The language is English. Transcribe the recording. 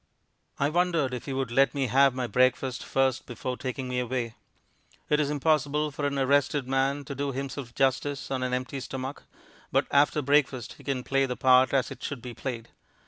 I wondered if he would let me have my breakfast first before taking me away. It is impossible for an arrested man to do himself justice on an empty stomach, but after breakfast he can play the part as it should be played.